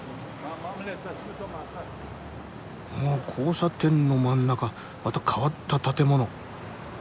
ああ交差点の真ん中また変わった建物。